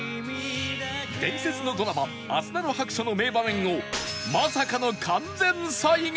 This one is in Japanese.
伝説のドラマ『あすなろ白書』の名場面をまさかの完全再現！？